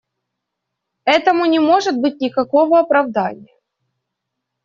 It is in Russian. Этому не может быть никакого оправдания.